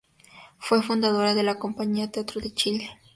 Fue fundadora de la compañía Teatro de Chile.